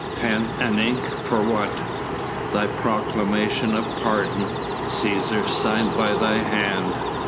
"Pen and ink? For what?" "Thy proclamation of pardon, Cæsar, signed by thy hand...."